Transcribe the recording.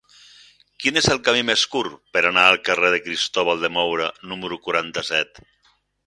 Quin és el camí més curt per anar al carrer de Cristóbal de Moura número quaranta-set?